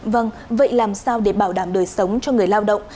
vâng vậy làm sao để bảo đảm đời sống cho người lao động